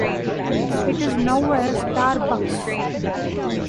It is now a Starbucks.